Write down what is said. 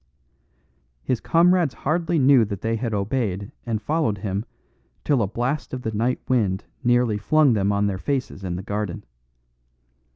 His comrades hardly knew that they had obeyed and followed him till a blast of the night wind nearly flung them on their faces in the garden.